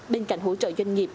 bên cạnh hỗ trợ doanh nghiệp